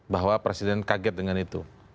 bahwa presiden kaget dengan itu